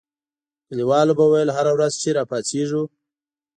کلیوالو به ویل هره ورځ چې را پاڅېږو.